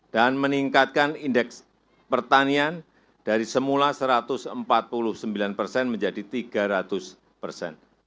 dan meningkatkan indeks pertanian dari semula satu ratus empat puluh sembilan persen menjadi tiga ratus persen